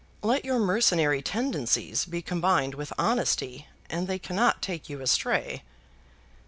Let your mercenary tendencies be combined with honesty and they cannot take you astray."